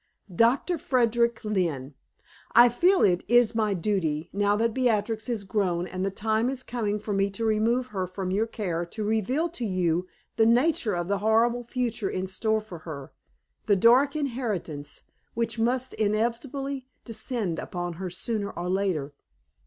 "DOCTOR FREDERICK LYNNE, I feel it is my duty, now that Beatrix is grown and the time is coming for me to remove her from your care, to reveal to you the nature of the terrible future in store for her the dark inheritance which must inevitably descend upon her sooner or later.